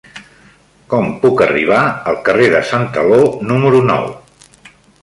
Com puc arribar al carrer de Santaló número nou?